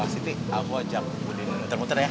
siti aku ajak budi muter muter ya